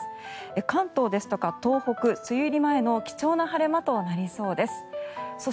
関東ですとか東北、梅雨入り前の貴重な晴れ間となりそうす。